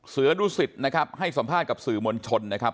เสือดุสิตนะครับให้สัมภาษณ์กับสื่อมวลชนนะครับ